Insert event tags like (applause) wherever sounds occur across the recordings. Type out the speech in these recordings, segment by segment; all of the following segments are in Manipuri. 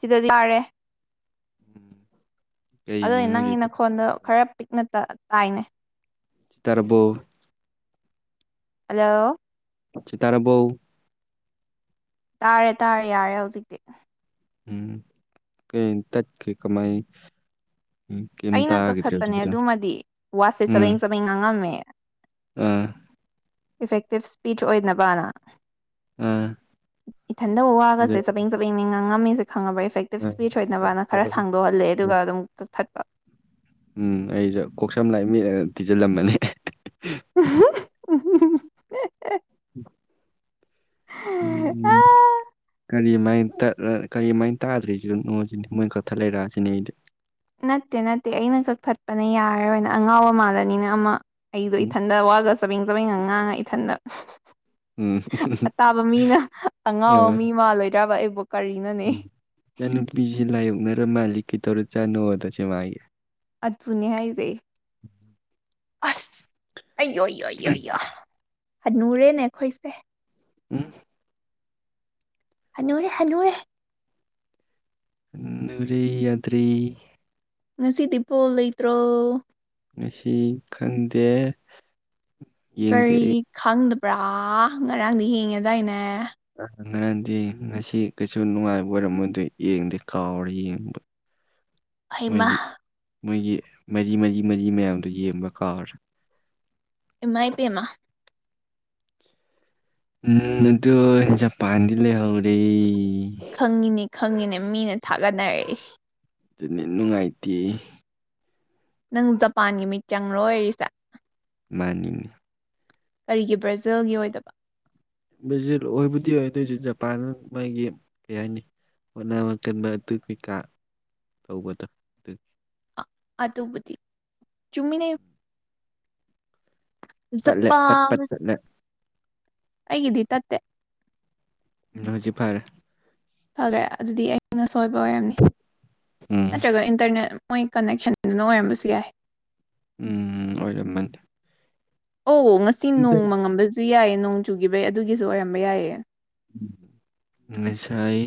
ꯁꯤꯗꯗꯤ ꯌꯥꯔꯦ ꯎꯝ ꯑꯗꯨꯗꯤ ꯀꯩꯒꯤꯅꯣ ꯅꯪꯒꯤ ꯍꯧꯖꯤꯛ ꯅꯈꯣꯟꯗꯣ ꯈꯔ ꯄꯤꯛꯅ ꯇ ꯇꯥꯏꯅꯦ ꯆ ꯇꯔꯕꯨꯣ ꯍꯜꯂꯣ ꯇꯔ ꯎ ꯇꯥꯔꯦ ꯇꯥꯔꯦ ꯌꯥꯔꯦ ꯍꯧꯖꯤꯛꯇꯤ ꯎꯝ ꯀꯩ ꯇꯠꯀꯤ ꯀꯃꯥꯏ ꯎꯝ ꯀꯩꯝ ꯑꯩꯅ ꯇꯥꯈꯤꯗ꯭ꯔꯦ ꯑꯗꯨ ꯀꯛꯊꯠꯄꯅꯦ ꯈꯤꯇꯪ ꯑꯗꯨꯃꯗꯤ ꯋꯥꯁꯦ ꯎꯝ ꯆꯕꯦꯡ ꯆꯕꯦꯡ ꯉꯥꯡꯉꯝꯃꯦ ꯑꯥ ꯏꯐꯦꯛꯇꯤꯞ ꯏꯁꯄꯤꯆ ꯑꯣꯏꯅꯕꯅ ꯑꯥ ꯏꯊꯟꯗꯕꯨ ꯋꯥꯒꯁꯦ ꯆꯄꯦꯡ ꯆꯄꯦꯡꯅꯦ ꯉꯥꯡꯉꯝꯃꯤꯁꯦ ꯈꯪꯉꯕ ꯏꯐꯦꯛꯇꯤꯞ ꯏꯁꯄꯤꯆ ꯑꯣꯏꯅꯕꯅ ꯈꯔ ꯁꯥꯡꯗꯣꯛꯍꯜꯂꯦ ꯑꯗꯨꯒ ꯑꯗꯨꯝ ꯀꯛꯊꯠꯄ ꯎꯝ ꯑꯩꯁꯨ ꯀꯣꯛꯁꯝ ꯂꯥꯏ ꯃꯤ ꯊꯤꯖꯤꯜꯂꯝꯃꯅꯤ (unintelligible) ꯎꯝ ꯎꯝ ꯀꯔꯤ ꯁꯨꯃꯥꯏꯅ ꯇꯠ ꯀꯔꯤꯃꯥꯏꯅ ꯇꯥꯗ꯭ꯔꯤꯁꯤꯅꯅꯣ ꯁꯤꯅꯤ ꯃꯣꯏꯅ ꯀꯛꯊꯠ ꯂꯩꯔꯛꯑꯁꯤꯅꯦ ꯑꯩꯗꯤ ꯅꯠꯇꯦ ꯅꯠꯇꯦ ꯑꯩꯅ ꯀꯛꯊꯠꯄꯅ ꯌꯥꯔꯣꯏꯅ ꯑꯉꯥꯎꯕ ꯃꯥꯜꯂꯅꯤꯅ ꯑꯃ ꯑꯩꯗꯣ ꯎꯝ ꯏꯊꯟꯗ ꯋꯥꯒ ꯆꯥꯕꯡ ꯆꯥꯕꯡꯒ ꯉꯥꯡꯉ ꯏꯊꯟꯗ ꯎꯝ ꯑꯇꯥꯕ ꯃꯤꯅ ꯑꯉꯥꯎꯕ ꯑꯥ ꯃꯤ ꯃꯥꯜꯂꯣꯏꯗ꯭ꯔꯕ ꯑꯩꯕꯨ ꯎꯝ ꯀꯔꯤꯅꯣꯅꯦ ꯏꯆꯥꯟꯅꯨꯄꯤꯁꯦ ꯂꯥꯏꯌꯣꯛꯅꯔ ꯃꯥꯜꯂꯤ ꯀꯩꯇꯧꯔ ꯆꯥꯅꯣꯗꯁꯦ ꯃꯥꯒꯤ ꯑꯗꯨꯅꯦ ꯍꯥꯏꯖꯩ ꯑꯁ ꯑꯣ ꯑꯣꯣꯣ ꯑꯅꯔꯦ ꯅꯈꯣꯏꯁꯦ ꯎꯝ ꯍꯅꯨꯔꯦ ꯍꯅꯨꯔꯦ ꯔꯤ ꯌꯥꯗ꯭ꯔꯤ ꯉꯁꯤꯗꯤ ꯄꯣ ꯂꯩꯇ꯭ꯔꯣ ꯃꯁꯤ ꯈꯪꯗꯦ ꯌꯦꯡꯗꯦ ꯀꯔꯤ ꯑꯩ ꯈꯪꯗꯕ꯭ꯔꯥ ꯉꯔꯥꯡꯗꯤ ꯌꯦꯡꯉꯦ ꯑꯗꯨꯗꯥꯋꯥꯏꯅꯦ ꯉꯔꯗꯤ ꯉꯁꯤ ꯀꯩꯁꯨ ꯅꯨꯡꯉꯥꯏꯕ ꯑꯣꯏꯔꯝꯃꯣꯏꯗ ꯌꯦꯡꯗꯦ ꯀꯥꯎꯔꯦ ꯌꯦꯡꯕ (unintelligible) ꯃꯣꯏ ꯍꯩꯃ ꯃꯣꯏꯒꯤ ꯃꯔꯤ ꯃꯔꯤ ꯃꯔꯤ ꯃꯌꯥꯝꯗꯨꯣ ꯌꯦꯡꯕ ꯀꯥꯔ ꯑꯦꯃꯥꯏ ꯄꯦ ꯃꯥ ꯎꯝꯗꯣ ꯄꯥꯟꯗꯗꯤ ꯂꯩ ꯍꯥꯥꯎꯔꯦ ꯈꯪꯉꯤꯅꯤ ꯈꯪꯉꯤꯅꯦ ꯃꯤꯅ ꯊꯥꯒꯠꯅꯔꯛꯏ ꯑꯗꯨꯅꯤ ꯅꯨꯡꯉꯥꯏꯇ ꯅꯪ ꯖꯄꯥꯟꯒꯤ ꯃꯤꯠ ꯆꯪꯪꯂꯣꯏ ꯑꯣꯏꯔꯤꯁꯦ ꯃꯥꯅꯤꯡꯏ ꯀꯔꯤꯒꯤ ꯕ꯭ꯔꯥꯖꯤꯜꯒꯤ ꯑꯣꯏꯗꯕ ꯚꯔꯖꯤꯂ ꯑꯣꯏꯕꯨꯗꯤ ꯑꯣꯏ ꯑꯗꯨꯣꯏꯁꯨ ꯖꯄꯥꯟ ꯃꯥꯒꯤ ꯀꯩ ꯍꯥꯏꯅꯤ ꯍꯣꯠꯅꯥꯃ ꯀꯟꯕ ꯑꯗꯨ ꯀꯩꯀꯥ ꯇꯧꯕꯗ ꯑꯗꯨ ꯑꯗꯨꯕꯨꯗꯤ ꯆꯨꯝꯃꯤꯅꯦ ꯇꯠꯂꯦ ꯄꯠ ꯖꯄꯥꯟ ꯄꯠ ꯇꯠꯂꯦ ꯑꯩꯒꯤꯗꯤ ꯇꯠꯇꯦ ꯑꯗꯣꯏꯗꯤ ꯐꯔꯑꯥ ꯐꯈ꯭ꯔꯦ ꯑꯗꯨꯗꯤ ꯑꯩꯅ ꯁꯣꯏꯕ ꯑꯣꯏꯔꯝꯅꯤ ꯎꯝ ꯅꯠꯇ꯭ꯔꯒ ꯏꯟꯇꯔꯅꯦꯠ ꯃꯣꯏ ꯀꯅꯦꯛꯁꯟꯗꯨꯅ ꯑꯣꯏꯔꯝꯕꯁꯨ ꯌꯥꯏ ꯎꯝ ꯑꯣꯏꯔꯝꯃꯅꯤ ꯑꯣ ꯉꯁꯤ ꯅꯣꯡ ꯃꯪꯉꯝꯕꯁꯨ ꯌꯥꯏꯌꯦ ꯅꯣꯡ ꯆꯨꯒꯤꯈꯤꯕꯩ ꯑꯗꯨꯒꯤꯁꯨ ꯑꯣꯏꯔꯝꯕ ꯌꯥꯏꯑ ꯉꯥꯁꯥꯏ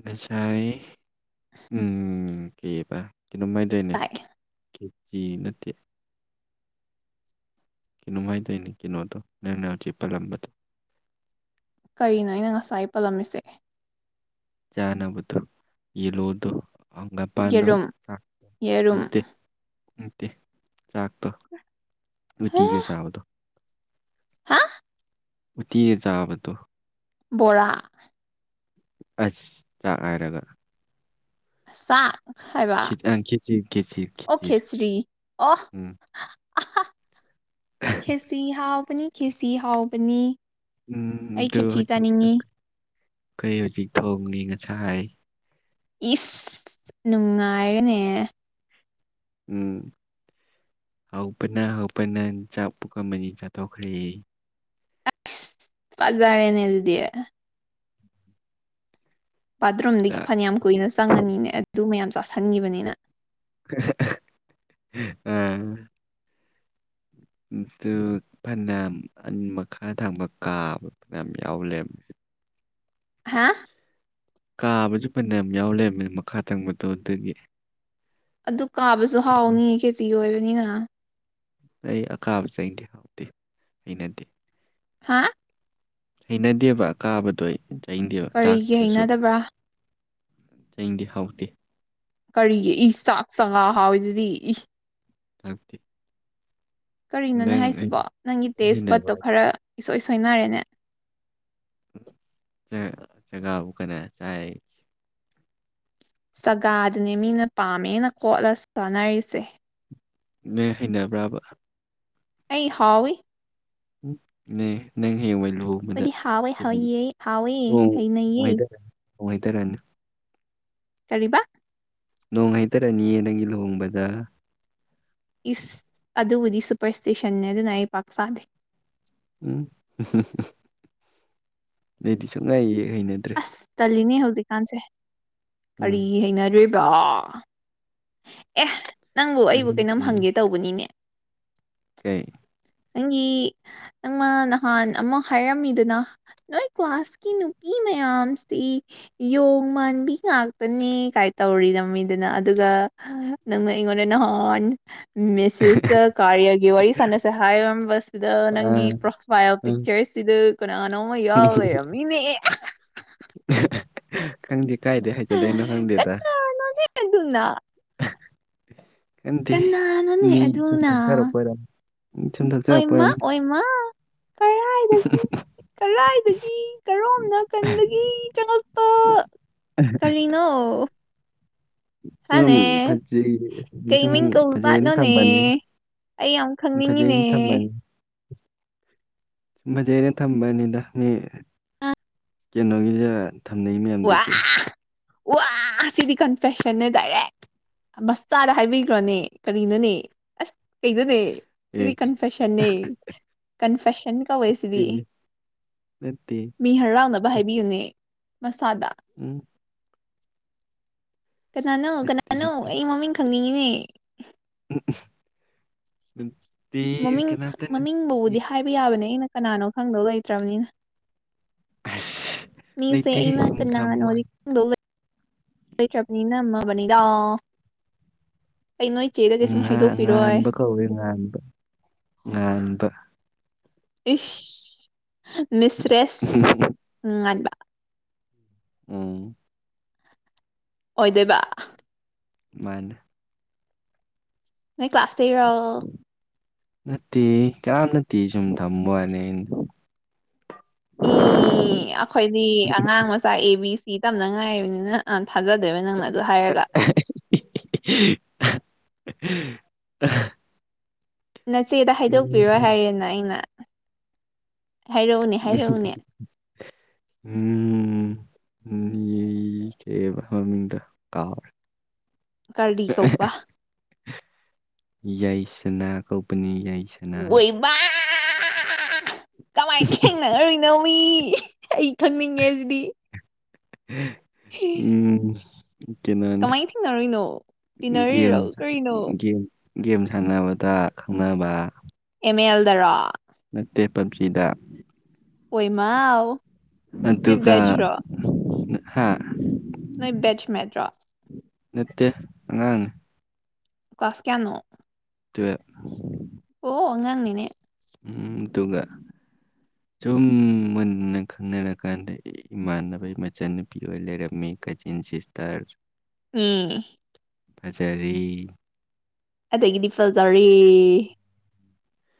ꯉꯁꯥꯏ ꯎꯝ ꯀꯩꯕꯥ ꯀꯩꯅꯣꯝꯍꯥꯢꯇꯥꯏꯅꯦ ꯇꯥꯏ ꯀꯦꯆ ꯅꯠꯇꯦ ꯅꯨꯡꯉꯥꯏꯗꯣꯏꯅꯤ ꯀꯩꯅꯣꯗꯣ ꯅꯪꯅ ꯆꯦꯞ ꯄꯜꯂꯝꯕꯗꯣ ꯀꯔꯤꯅꯣ ꯑꯩꯅ ꯉꯁꯥꯏ ꯄꯜꯂꯝꯃꯤꯁꯦ ꯆꯅꯥꯕꯗꯨ ꯌꯦꯂꯑꯣꯗꯨ ꯍꯪꯒꯥꯄꯥꯟꯗꯣ ꯌꯦꯔꯨꯝ ꯌꯦꯔꯨꯝ ꯅꯠꯇꯦ ꯅꯠꯇꯦ ꯆꯥꯛꯇꯣ ꯍꯦ ꯎꯇꯤꯒ ꯆꯥꯕꯗꯣ ꯍꯥ ꯎꯠꯇꯤꯒꯥ ꯆꯥꯕꯗꯣ ꯕꯣꯔꯥ ꯑꯁ ꯆꯥꯛ ꯍꯥꯏꯔꯒ ꯑꯁꯥ ꯍꯥꯏꯕ ꯈꯦꯆꯤ ꯈꯦꯆꯤ ꯈꯦꯆꯤ ꯑꯣꯀꯦ ꯁ꯭ꯔꯤ ꯑꯣ ꯎꯝ ꯑꯍꯥ ꯈꯦꯆꯤ ꯍꯥꯎꯕ ꯈꯦꯆꯤ ꯍꯥꯎꯅꯤ ꯎꯝ ꯑꯗꯨ ꯀꯩ ꯍꯧꯖꯤꯛ ꯊꯣꯡꯉꯤ ꯉꯁꯥꯏ ꯍꯥꯏ ꯏꯁ ꯅꯨꯡꯉꯥꯏꯔꯅꯦ ꯎꯝ ꯍꯧꯄꯅ ꯍꯧꯄꯅ ꯆꯥꯛ ꯄꯣꯛꯀꯝꯃꯅꯤ ꯆꯥꯊꯣꯛꯈ꯭ꯔꯦ ꯇꯥꯔꯦꯅꯂꯗꯤꯑꯦ ꯕꯥꯠꯔꯨꯝꯗꯒꯤ ꯆꯥꯛ ꯐꯅꯌꯥꯝ ꯀꯨꯏꯅ ꯆꯪꯉꯅꯤꯅꯦ ꯑꯗꯨ ꯃꯌꯥꯝ ꯆꯥꯁꯟꯈꯤꯕꯅꯤꯅ ꯎꯝ (unintelligible) ꯑꯗꯨ ꯐꯅꯌꯥꯝꯟ ꯃꯈꯥ ꯊꯪꯕ ꯀꯥꯕ ꯐꯅ ꯌꯥꯎꯂꯦꯕ (inaudible) (inaudible) ꯍꯥ ꯀꯥꯕꯁꯨ ꯐꯅꯌꯥꯝ ꯌꯥꯎ ꯂꯩꯕꯃꯤ ꯃꯈꯥ ꯇꯪꯕꯗꯣ ꯑꯗꯨꯗꯒꯤ ꯑꯗꯨ ꯀꯥꯕꯁꯨ ꯍꯥꯎꯅꯤ ꯀꯦꯖꯤ ꯑꯣꯏꯕꯅꯤꯅ ꯑꯩ ꯑꯀꯥꯕ ꯆꯩꯪꯗꯦ ꯍꯥꯎꯇꯦ ꯑꯩꯅꯗꯦ ꯍꯥꯥ ꯍꯩꯅꯗꯦꯕ ꯀꯥꯕꯗꯣ ꯑꯩ ꯆꯩꯅꯗꯦꯕ ꯀꯔꯤꯒꯤ ꯆꯥꯛꯇꯨꯁꯨ ꯍꯩꯅꯗꯕ꯭ꯔꯥ ꯆꯅꯤꯡꯗꯦ ꯍꯥꯎꯗꯦ ꯀꯔꯤꯒꯤ ꯆꯥꯛ ꯆꯀꯥ ꯍꯥꯎꯋꯏꯗꯨꯗꯤ ꯊꯥꯛꯇ ꯀꯔꯤꯅꯣꯅꯦ ꯍꯥꯏꯁꯤꯕꯣ ꯅꯪꯒꯤ ꯇꯦꯁ ꯍꯩꯅꯕ ꯕꯠꯇꯣ ꯈꯔ ꯏꯁꯁꯣꯏ ꯁꯣꯏꯅꯔꯦꯅꯦ ꯆꯒꯥꯎ ꯀ ꯆꯥꯏ ꯆꯒꯥꯗꯨꯅꯦ ꯃꯤꯅ ꯄꯥꯝꯃꯦꯅ ꯈꯣꯠꯂ ꯆꯥꯅꯔꯤꯁꯦ ꯅ ꯍꯩꯅꯕ꯭ꯔꯕ ꯑꯩ ꯍꯥꯎ ꯅꯪ ꯍ ꯋꯥ ꯂꯨꯍꯕꯗ ꯑꯩꯈꯣꯏꯗꯤ ꯍꯥꯎꯋꯦ ꯍꯥꯎꯌꯦ ꯍꯥꯎꯋꯦ ꯍꯩꯅꯩꯌꯦ ꯈꯤꯇꯪꯅꯨꯡꯉꯥꯏꯊꯔꯅꯤ ꯅꯨꯡꯉꯥꯏꯊꯔꯅꯤ ꯀꯔꯤꯕ ꯅꯣꯡ ꯍꯩꯇꯔꯅꯤꯌꯦ ꯅꯪꯒꯤ ꯂꯨꯍꯣꯡꯕꯗ ꯏꯁ ꯑꯗꯨꯕꯨꯗꯤ ꯁꯨꯄꯔꯁꯇꯦꯁꯟꯅꯦ ꯑꯗꯨꯅ ꯑꯩ ꯄꯥꯛ ꯆꯥꯗꯦ ꯎꯝ ꯂꯩꯗꯤ ꯁꯉꯥꯏꯌꯦ ꯑꯁ ꯇꯜꯂꯤꯅꯦ ꯍꯧꯖꯤꯛꯀꯥꯟꯁꯦ ꯎꯝ ꯀꯔꯤ ꯍꯩꯅꯗꯣꯏꯔꯤꯕ ꯑꯦ ꯅꯪꯕꯨ ꯑꯩꯕꯨ ꯀꯩꯅꯝ ꯈꯪꯗꯦ ꯍꯪꯒꯦ ꯇꯧꯕꯅꯤꯅꯦ ꯀꯩ ꯑꯩꯪꯤ ꯅꯪꯃ ꯅꯍꯥꯟ ꯑꯃ ꯍꯥꯏꯔꯝꯃꯤꯗꯅ ꯅꯣꯏ ꯀ꯭ꯂꯥꯁꯀꯤ ꯅꯨꯄꯤ ꯃꯌꯥꯝꯁꯤ ꯌꯣꯡ ꯃꯥꯟꯕꯤ ꯉꯥꯛꯇꯅꯦ ꯀꯥꯏ ꯇꯧꯔꯤꯗꯃꯤꯗꯅ ꯑꯗꯨꯒ ꯅꯪꯅ ꯅꯍꯥꯟ ꯃꯦꯁꯁꯇ ꯀꯌꯥꯒꯤ ꯋꯥꯔꯤ ꯁ ꯁ ꯁꯤꯗ ꯑꯥ ꯅꯪꯒꯤ ꯄ꯭ꯔꯣꯐꯥꯏꯜ ꯎꯝ ꯄꯤꯛꯆꯔꯁꯤꯗ ꯀꯅꯥꯅꯣ ꯑꯃ ꯌꯥꯎ ꯂꯩꯔꯝꯃꯤꯅꯦ ꯑ ꯈꯪꯗꯦ ꯀꯥꯏꯗꯦ ꯍꯥꯏꯖꯤꯠꯂꯛꯏꯅꯣ ꯈꯪꯗꯦꯗ ꯑꯗꯨ ꯑꯗꯨꯅ (unintelligible) ꯀꯅꯥꯅꯣꯅꯦ ꯃꯤ ꯁꯨꯝ ꯑꯗꯨꯅ ꯊꯛꯆꯔꯛꯄ ꯑꯣꯏꯔꯝ ꯁꯨꯝ ꯊꯛꯆꯔꯛꯄ ꯑꯣꯏꯃꯥ ꯑꯣꯏꯔꯝꯅꯤ ꯑꯣꯏꯃꯥ ꯀꯔꯥꯏꯗꯒꯤ ꯀꯔꯏꯗꯒꯤ ꯀꯔꯣꯝ ꯅꯥꯀꯟꯗꯒꯤ ꯆꯉꯛꯄ ꯀꯔꯤꯅꯣ ꯁꯨꯝ ꯍꯥꯅꯦ ꯐꯖꯩ ꯀꯩ ꯁꯨꯝ ꯃꯤꯡ ꯐꯖꯅ ꯀꯧꯕꯖꯥꯠꯅꯣꯅꯦ ꯊꯝꯕꯅꯦ ꯑꯩ ꯌꯥꯝ ꯏ ꯈꯪꯅꯤꯡꯉꯤꯅꯦ ꯐꯖꯩꯟ ꯊꯃꯅꯤ ꯃꯖꯦꯅ ꯊꯝꯕꯅꯤꯗꯅꯤ ꯀꯩꯅꯣꯒꯤꯁꯦ ꯊꯝꯅꯩ ꯋꯥ ꯃꯌꯥꯝꯗꯨꯗꯤ ꯋꯥ ꯁꯤꯗꯤ ꯀꯟꯐꯦꯁꯟꯅꯦ ꯇꯗꯥꯏꯔꯦ ꯃꯁꯇꯥꯥꯗ ꯍꯥꯏꯕꯤꯈ꯭ꯔꯣꯅꯦ ꯀꯔꯤꯅꯣꯅꯦ ꯑꯁ ꯀꯩꯗꯅꯦ ꯁꯤꯗꯤ ꯑꯦ ꯀꯟꯐꯦꯁꯟꯅꯤ ꯀꯟꯐꯦꯁꯟ ꯀꯧꯋꯦ ꯇꯦ ꯁꯤꯗꯤ ꯅꯠꯇꯦ ꯃꯤ ꯍꯔꯥꯎꯅꯕ ꯍꯥꯏꯕꯤꯌꯨꯅꯦ ꯁꯥꯗꯥ ꯎꯝ ꯀꯅꯥꯅꯣ ꯅꯠꯇꯦ ꯀꯅꯥꯅꯣ ꯅꯠꯇꯦ ꯑꯩ ꯃꯃꯤꯡ ꯈꯪꯅꯤꯡꯉꯤꯅꯦ ꯎ ꯃꯃꯤꯡ ꯃꯃꯤꯡꯕꯨꯕꯨꯗꯤ ꯍꯥꯏꯕ ꯌꯥꯕꯅꯦ ꯑꯩꯅ ꯀꯅꯥꯅꯣ ꯈꯪꯗꯧ ꯂꯩꯇ꯭ꯔꯕꯅꯤꯅ ꯑꯁ ꯃꯤꯁꯦ ꯂꯩꯇꯦꯍꯦ ꯉ ꯁꯨꯝ ꯊꯝꯕ ꯀꯅꯥꯅ ꯋꯥꯅꯤ ꯅꯤꯅ ꯃꯃ ꯃꯅꯤꯗꯥꯥ ꯉ ꯉꯥꯟꯕꯕ ꯀꯧꯋꯤ ꯉꯕ ꯉꯥꯟꯕꯕ ꯏ ꯃꯤꯁ꯭ꯔꯦꯁ ꯎ ꯉꯥꯟꯕꯥꯟꯕ ꯎꯝ ꯑꯣꯏꯗꯣꯏꯕ ꯃꯥꯅꯤ ꯅꯣꯏ ꯀ꯭ꯂꯥꯁꯇꯔ ꯅꯠꯇꯦ ꯀꯝ ꯅꯠꯇꯦ ꯁꯨꯝ ꯊꯝꯕ ꯍꯥꯏꯅꯦ ꯑꯩꯅ ꯎꯝ ꯑꯩꯈꯣꯏꯗꯤ ꯑꯉꯥꯡ ꯃꯆꯥ ꯑꯦ ꯕꯤ ꯁꯤ ꯇꯝꯅꯉꯥꯏꯔꯤꯕꯅꯤꯅ ꯊꯥꯖꯗꯣꯏꯕ ꯅꯪꯅ ꯑꯗꯨ ꯍꯥꯏꯔꯒ (inaudible) ꯅꯆꯦꯗ ꯍꯥꯏꯗꯣꯛꯄꯤꯔꯣ ꯍꯥꯏꯔꯦꯅ ꯑꯩꯅ ꯍꯥꯏꯔꯛꯎꯅꯦ ꯍꯥꯏꯔꯛꯎꯅꯦ ꯎꯝ ꯎꯝ ꯌꯦ ꯀꯦꯕ ꯃꯃꯤꯡꯗ ꯀꯥꯔ ꯀꯔꯗꯤ ꯀꯧꯕꯧꯕ ꯌꯥꯏꯁꯅꯥ ꯀꯧꯕꯧꯄꯅꯤ ꯌꯥꯏ ꯑꯣꯏꯕ ꯀꯃꯥꯏꯅ ꯈꯦꯡꯅꯉꯔꯨꯔꯤꯅꯣ ꯃꯤ ꯑꯩ ꯈꯪꯅꯤꯡꯉꯦꯁꯤꯗꯤ ꯎꯝ ꯀꯅꯥꯅꯦ ꯀꯃꯥꯏꯅ ꯊꯦꯡꯅꯔꯨꯏꯅꯣ ꯒꯦꯝ ꯇꯤꯟꯅꯔꯤꯔꯣ ꯀꯔꯤꯅꯣ ꯒꯦꯝ ꯒꯦꯝ ꯁꯥꯟꯅꯕꯗ ꯈꯪꯅꯕ ꯃꯦꯜꯗꯔꯥ ꯅꯠꯇꯦ ꯄꯞꯖꯤꯗ ꯑꯣꯏꯃꯎ ꯇꯨ ꯀ ꯍꯥꯥ ꯅ ꯕꯆ ꯃꯦꯠꯇ꯭ꯔꯣ ꯅꯠꯇꯦ ꯑꯉꯥꯡꯅꯤ ꯀꯥꯁ ꯀꯌꯥꯅꯣ ꯇꯨꯋꯞ ꯑꯣ ꯑꯉꯥꯡꯅꯤꯅꯦ ꯎꯝ ꯇꯒ ꯁꯨꯝ ꯃꯨꯟꯅ ꯈꯪꯅꯔꯀꯥꯟꯗ ꯏꯃꯥꯟꯅꯕꯒꯤ ꯃꯆꯟꯅꯨꯄꯤ ꯑꯣꯏ ꯂꯩꯔꯝꯃꯤ ꯀꯆꯤꯟ ꯁꯤꯁꯇꯔ ꯎꯝ ꯄꯆꯔꯤ ꯑꯗꯒꯤꯗꯤ ꯐꯖꯔꯦ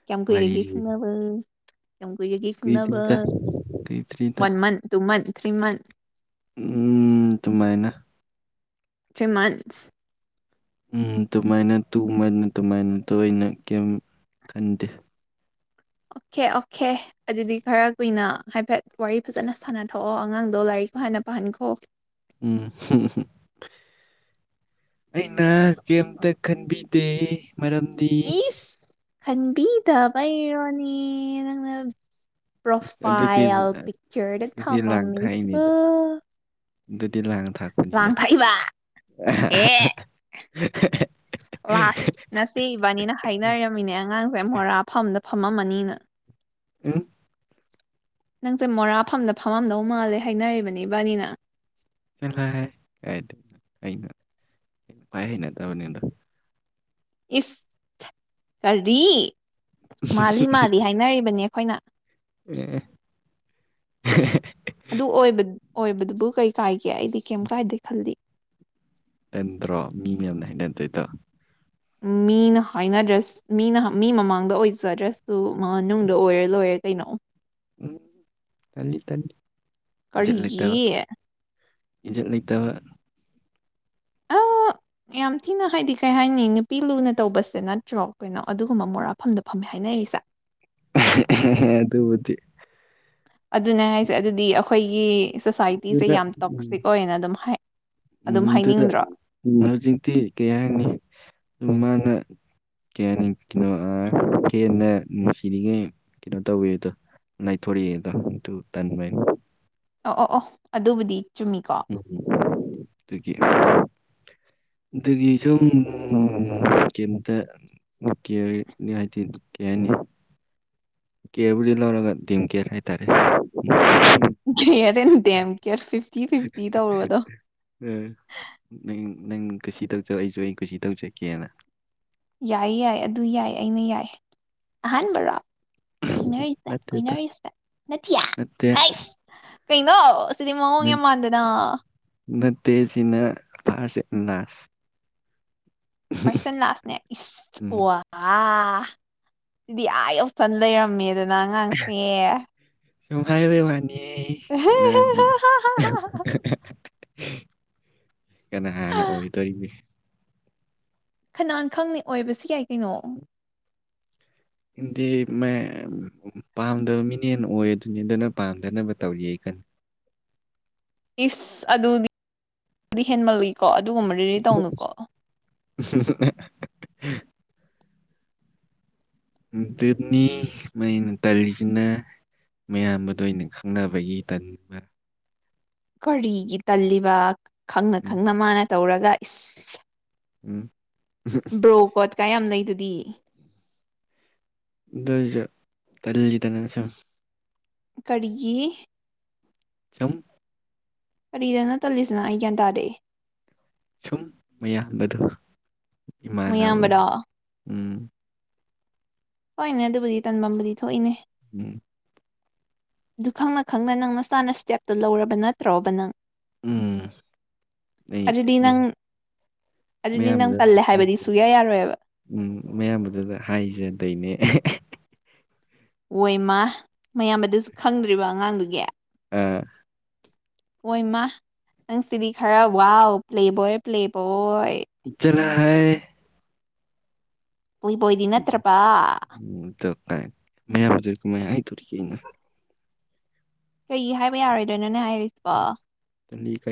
ꯀꯌꯥꯝ ꯀꯨꯏꯔꯒꯦ ꯋꯥꯔꯤꯁꯦ ꯈꯪꯅꯕ ꯀ ꯀꯨꯏꯔꯒꯦ ꯈꯪꯅꯕ ꯀꯨꯏꯗ꯭ꯔꯤꯗ ꯀꯨꯏꯗ꯭ꯔꯤꯗ one month two month three month ꯎꯝ ꯇꯨꯃꯥꯏꯅ ꯃꯟꯁ ꯎ ꯑꯗꯨꯃꯥꯏꯅ ꯇꯨꯃꯅ ꯑꯗꯨꯃꯥꯏꯅ ꯇꯣꯏꯅ ꯀꯔꯤꯝ ꯈꯟꯗꯦ (inaudible) ꯑꯣꯀꯦ ꯑꯣꯀꯦ ꯑꯗꯨꯗꯤ ꯈꯔ ꯀꯨꯏꯅ ꯍꯥꯏꯐꯦꯠ ꯋꯥꯔꯤ ꯐꯖꯅ ꯁꯥꯟꯅꯊꯣꯛꯑꯣ ꯑꯉꯥꯡꯗꯣ ꯂꯥꯏꯔꯤꯛꯀꯣ ꯍꯥꯟꯅ ꯄꯥꯝ ꯊꯈꯣ ꯎꯝ ꯑꯩꯅ ꯀꯩꯇ ꯈꯟꯕꯤꯗꯦ ꯃꯔꯝꯗꯤ ꯏꯁ ꯈꯟꯕꯤꯗꯕꯩꯔꯣꯅꯦ ꯅꯪꯅ ꯑꯗꯨꯗꯤ ꯄ꯭ꯔꯣꯐꯥꯏꯜ ꯄꯤꯛꯆꯔ ꯑꯗꯨꯗꯤ ꯂꯥꯡ ꯊꯃꯝꯁꯤꯕ ꯊꯥꯛꯏꯅꯤꯗ ꯑꯗꯨꯗꯤ ꯂꯥꯡ ꯊꯥꯛꯄꯅꯤꯗ ꯋꯥꯍ ꯉꯁꯤ ꯏꯕꯥꯅꯤꯅ ꯍꯥꯏꯅꯔꯝꯃꯤꯅꯦ ꯑꯉꯥꯡꯁꯦ ꯃꯣꯔꯥ ꯐꯝꯗ ꯐꯝꯃꯝꯃꯅꯤꯅ ꯑ ꯅꯪꯁꯦ ꯃꯣꯔꯥꯐꯝꯗ ꯐꯝꯃꯝꯗꯧ ꯃꯥꯜꯂꯦ ꯍꯥꯏꯅꯔꯤꯕꯅꯦ ꯏꯕꯥꯅꯤꯅ ꯐꯩꯅ ꯈ ꯍꯩꯅꯗꯕꯅꯤ ꯑꯗꯣ ꯏꯁ ꯀꯔꯤ ꯃꯥꯜꯂꯤ ꯃꯥꯜꯂꯤ ꯍꯥꯏꯅꯔꯤꯕꯅꯦ ꯑꯩꯈꯣꯏꯅ ꯎ ꯑꯗꯨ ꯑꯣꯏꯕ ꯑꯣꯏꯕꯗꯨꯕꯨ ꯀꯩ ꯀꯥꯏꯒꯦ ꯑꯩꯗꯤ ꯀꯩ ꯀꯥꯏꯗꯦ ꯈꯜꯂꯤ ꯅ ꯅꯠꯇ꯭ꯔꯣ ꯃꯤ ꯃꯌꯥꯝꯅ ꯍꯥꯏꯩꯅꯗꯦꯗ ꯃꯤꯅ ꯍꯥꯏꯅꯗ꯭ꯔꯦꯁ ꯃꯤꯅ ꯃꯤ ꯃꯃꯥꯡꯗ ꯑꯣꯏꯖꯗ꯭ꯔꯦ ꯑ ꯃꯥ ꯅꯨꯡꯗ ꯑꯣꯏꯔꯦ ꯂꯣꯏꯔꯦ ꯀꯩꯅꯣ ꯎꯝ ꯇꯅꯤ ꯇꯅꯤ ꯀꯔꯤ ꯏꯖꯠ ꯂꯩꯇꯕ ꯑ (unintelligible) ꯌꯥꯝ ꯊꯤꯅ ꯍꯥꯏꯗꯤ ꯀꯩ ꯍꯥꯏꯅꯤ ꯅꯨꯄꯤ ꯂꯨꯅ ꯇꯧꯕꯁꯦ ꯅꯠꯇ꯭ꯔꯣ ꯀꯩꯅꯣ ꯑꯗꯨꯒꯨꯝꯕ ꯃꯣꯔꯥꯐꯝꯗ ꯐꯝꯃꯦ ꯍꯥꯏꯅꯤ ꯁ ꯑꯗꯨꯕꯨꯗꯤ ꯑꯗꯨꯅꯦ ꯍꯥꯏꯁꯦ ꯑꯗꯨꯗꯤ ꯑꯩꯈꯣꯏꯒꯤ ꯁꯣꯁꯥꯏꯇꯤꯁꯦ ꯑꯗꯨꯅ ꯌꯥꯝ ꯇꯣꯛꯁꯤꯛ ꯑꯣꯏꯌꯦꯅ ꯑꯗꯨꯝ ꯍꯥꯏ ꯎꯝ ꯑꯗꯨꯝ ꯑꯗꯨꯗ ꯍꯥꯏꯅꯤꯡꯗ꯭ꯔꯣ ꯍꯧꯖꯤꯛꯇꯤ ꯀꯩ ꯍꯥꯏꯅꯤ ꯃꯥꯅ ꯀꯩ ꯍꯥꯏꯅꯤ ꯀꯩꯅꯣ ꯍꯦꯟꯅ ꯅꯨꯡꯁꯤꯔꯤꯉꯩ ꯀꯩꯅꯣ ꯇꯧꯕꯤꯦꯗꯣ ꯂꯩꯊꯣꯔꯤꯑꯗ ꯇꯟ ꯑꯣ ꯑꯣ ꯑꯣ ꯑꯗꯨꯕꯨꯗꯤ ꯆꯨꯝꯃꯤꯀꯣ ꯇꯒꯤ ꯑꯗꯨꯒꯤ ꯁꯣꯨꯝ ꯀꯩꯝꯇ ꯀꯦꯅꯤ ꯍꯥꯏꯗꯤ ꯀꯅꯤ ꯀꯦꯕꯂꯔꯒ ꯗꯤꯝ ꯀꯦꯔ ꯍꯥꯏꯥꯏꯇꯔꯦ ꯔꯦ ꯗꯦꯝ ꯀꯦꯔ ꯐꯤꯐꯇꯤ ꯐꯤꯐꯇꯤ ꯇꯧꯔꯨꯕꯗꯣ ꯅꯪ ꯅꯪ ꯀꯁꯤ ꯊꯛꯆꯂꯛꯏꯁꯨ ꯑꯩ ꯀꯁꯤ ꯊꯛꯆꯀꯦꯅ ꯌꯥꯏ ꯌꯥꯏ ꯑꯗꯨ ꯌꯥꯏ ꯑꯩꯅ ꯌꯥꯏ ꯑꯍꯥꯟꯕꯔꯣ ꯀꯅꯁ ꯅꯠꯇꯦ ꯀꯣꯏꯅꯔꯤꯁ ꯅꯌꯥꯁ ꯅꯠꯇꯦ ꯀꯩꯅꯩꯅꯣ ꯁꯤꯗꯤꯃ ꯌꯦꯃꯥꯟꯗꯅ ꯇꯦꯁꯤꯅ ꯐꯥꯔꯁ ꯅꯁ ꯄꯔꯁꯟ ꯂꯥꯁꯅꯦ ꯏ ꯎꯝ ꯋꯥ ꯁꯤꯗꯤ ꯑꯥ ꯌꯧꯁꯟ ꯂꯩꯔꯝꯃꯦꯗꯅ ꯑꯉꯥꯡꯁꯦ ꯁꯨꯝ ꯍꯥꯏꯕꯕꯥꯅꯤ ꯀꯅꯥ ꯀꯩꯅꯣ ꯍꯥꯟꯅ ꯑꯣꯏꯗꯣꯔꯤꯕ ꯈꯅꯥꯟ ꯈꯪꯉ ꯑꯣꯏꯕꯁꯤ ꯌꯥꯏ ꯀꯩꯅꯣ ꯗꯤ ꯄꯥꯝꯗꯕ ꯃꯤꯅꯦꯅ ꯑꯣꯏ ꯑꯗꯨꯅꯤ ꯑꯗꯨꯅ ꯄꯥꯝꯗꯅꯕ ꯇꯧꯔꯤꯌꯦ ꯑꯩꯀꯣ ꯎ ꯏꯁ ꯑꯗꯨꯗꯤꯗꯤ ꯍꯦꯟꯃꯜꯜꯂꯤꯀꯣ ꯑꯗꯨꯒꯨꯝꯕ ꯔꯦꯗꯤ ꯇꯧꯅꯨꯀꯣ ꯎ ꯇꯅꯤ ꯃꯥꯏꯩꯅ ꯇꯂꯤꯅ ꯃꯌꯥꯝꯕꯗ ꯑ ꯑꯣꯏꯅ ꯈꯪꯅꯕꯒꯤ ꯇꯟꯕ ꯀꯔꯤꯒꯤ ꯇꯜꯂꯤꯕ ꯈꯪꯅ ꯎꯝ ꯈꯪꯅ ꯃꯥꯅ ꯇꯧꯔꯒ ꯎꯝ ꯕ꯭ꯔꯣ ꯀꯣꯠ ꯀꯌꯥꯝ ꯂꯩꯗꯨꯗꯤ ꯁꯨ ꯇꯗꯅ ꯁꯨꯝ ꯀꯔꯤꯒꯤ ꯆꯨꯝ ꯀꯔꯤꯗꯅ ꯇꯜꯂꯤ ꯁꯅꯥꯏ ꯀ ꯇꯗꯦ ꯁꯨꯝ ꯃꯌꯥꯝꯕꯗꯣ ꯏꯃꯥꯟꯅꯕ ꯃꯌꯥꯝꯕꯔꯣ ꯎꯝ ꯍꯣꯏꯅꯦ ꯑꯗꯨꯕꯨꯗꯤ ꯇꯥꯟꯐꯝꯕꯨꯗꯤ ꯊꯣꯛꯏꯅꯦ ꯎꯝ ꯑꯗꯨ ꯈꯪꯅ ꯈꯪꯅ ꯅꯪ ꯅ ꯆꯥꯅ ꯏꯁꯇꯦꯞꯇꯨ ꯂꯧꯔꯕ ꯅꯠꯇ꯭ꯔꯣꯕ ꯅꯪ ꯎꯝ ꯑꯗꯨꯗꯤ ꯅꯪ ꯑꯗꯨꯗꯤ ꯅꯪ ꯃꯌꯥꯝꯗ ꯇꯜꯂꯦ ꯍꯥꯏꯕꯗꯤ ꯁꯨꯌꯥ ꯌꯥꯔꯣꯏꯕ ꯎꯝ ꯃꯌꯥꯝꯕꯗꯨꯗ ꯍꯥꯏꯖꯅꯤ ꯑꯗꯩꯅꯦ ꯑꯣꯏꯃ ꯃꯌꯥꯝꯕ ꯑꯗꯨꯁꯨ ꯈꯪꯗ꯭ꯔꯤꯕ ꯑꯉꯥꯡꯗꯨꯒꯤ ꯎꯝ ꯍꯣꯏ ꯏꯃ ꯅꯪꯁꯤꯗꯤ ꯈꯔ ꯋꯥꯎ ꯄ꯭ꯂꯦꯕꯣꯏ ꯄ꯭ꯂꯦꯕꯣꯏ ꯆꯅ ꯍꯥꯏ ꯄꯨꯏ ꯄꯣꯏꯗꯤ ꯅꯠꯇ꯭ꯔꯄꯥ ꯇ ꯃꯌꯥꯝꯕꯨꯖ ꯃ ꯍꯥꯏ ꯇꯣꯔꯤꯒꯦꯩꯅ ꯀꯩ ꯍꯥꯏꯕ ꯌꯥꯔꯣꯏꯗꯣꯏꯅꯣꯅꯦ ꯍꯥꯏꯔꯤꯁꯤꯕꯣ ꯇ ꯅ ꯀ